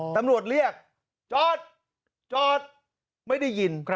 ตำรวจเรียกจอดจอดไม่ได้ยิน